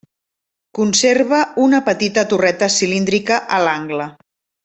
Conserva una petita torreta cilíndrica a l'angle.